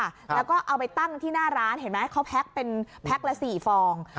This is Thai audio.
แล้วก็เอาไปตั้งที่หน้าร้านเห็นไหมเขาแพ็คเป็นแพ็คละ๔ฟอง